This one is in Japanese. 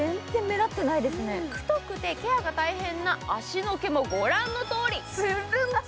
太くてケアが大変な足の毛もご覧のとおり。